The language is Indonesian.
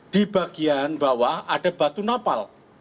di bagian bawah ada batu napal